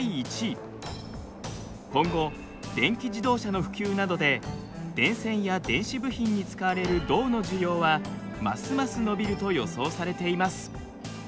今後電気自動車の普及などで電線や電子部品に使われる銅の需要はますます伸びると予想されています。